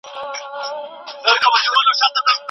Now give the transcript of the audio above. د قبیلو د جوړښت لپاره ثقافتي اړتیا ته ضرورت سته.